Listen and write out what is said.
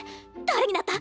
誰になった？